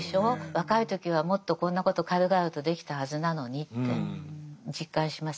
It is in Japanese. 若い時はもっとこんなこと軽々とできたはずなのにって実感しますね。